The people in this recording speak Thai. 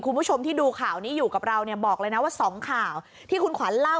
คุณผู้ชมที่ดูข่าวนี้อยู่กับเราเนี่ยบอกเลยนะว่าสองข่าวที่คุณขวัญเล่า